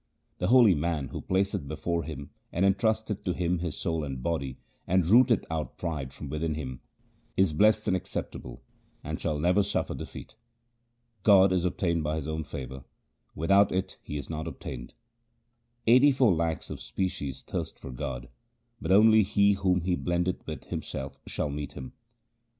The holy man who placeth before Him and entrusteth to Him his soul and body, and rooteth out pride from within him, Is blest and acceptable, and shall never suffer defeat. 1 God is obtained by His own favour ; without it He is not obtained. Eighty four lakhs of species thirst for God, but only he whom He blendeth with Himself shall meet Him.